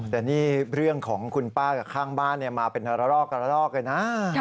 แต่นี่เรื่องของคุณป้ากับข้างบ้านมาเป็นระลอกกระรอกเลยนะ